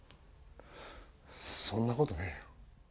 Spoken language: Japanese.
そんなことねえよ